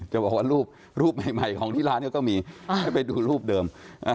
จะบอกว่ารูปใหม่ของที่ร้านเขาก็มีให้ไปดูรูปเดิม